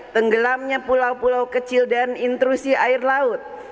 tenggelamnya pulau pulau kecil dan intrusi air laut